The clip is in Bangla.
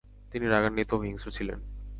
তিনি রাগান্বিত ও হিংস্র ছিলেন।